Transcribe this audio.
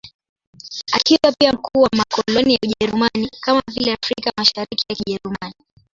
Akiwa pia mkuu wa makoloni ya Ujerumani, kama vile Afrika ya Mashariki ya Kijerumani.